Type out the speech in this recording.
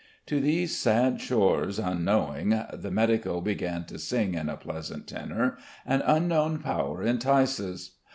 "To these sad shores unknowing" the medico began to sing in a pleasant tenor, "An unknown power entices"